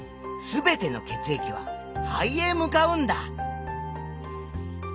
全ての血液は肺へ向かうんだ。